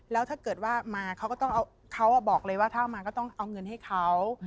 แล้วถ้าเกิดว่ามาเขาก็ต้องเอาเขาบอกเลยว่าถ้าเอามาก็ต้องเอาเงินให้เขา